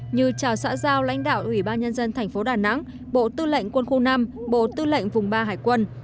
như chào xã giao lãnh đạo ủy ban nhân dân thành phố đà nẵng bộ tư lệnh quân khu năm bộ tư lệnh vùng ba hải quân